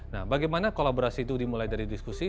nah bagaimana kolaborasi itu dimulai dari diskusi